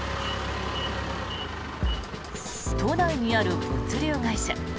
都内にある物流会社。